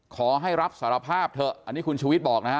ขอให้รับสารภาพเถอะอันนี้คุณชูวิทย์บอกนะฮะ